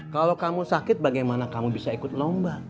kalau kamu sakit bagaimana kamu bisa ikut lomba